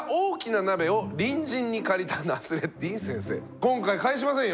今回返しませんよ。